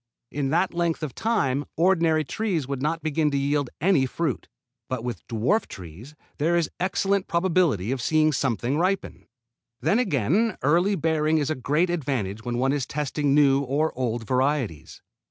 In that length of time ordinary trees would not begin to yield any fruit. But with dwarf trees there is excellent probability of seeing something ripen. Then again early bearing is a great advantage when one is testing new or old varieties.